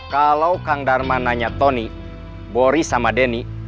kalau kang dharma nanya tony bori sama denny